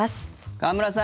河村さん